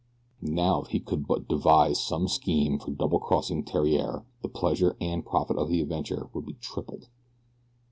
Now, if he could but devise some scheme for double crossing Theriere the pleasure and profit of the adventure would be tripled.